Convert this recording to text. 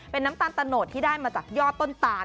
เป็นน้ำตาลตะโนดที่ได้มาจากยอดต้นตาล